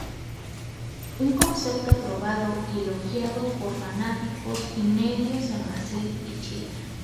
Un concepto probado y elogiado por fanáticos y medios en Brasil y Chile.